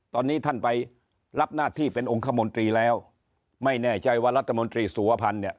ตอนนี้ท่านไปรับหน้าที่เป็นองคมนตรีแล้วไม่แน่ใจว่ารัฐมนตรีสุวพันธ์เนี่ย